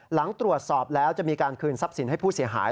หลังตรวจสอบแล้วจะมีการคืนทรัพย์สินให้ผู้เสียหาย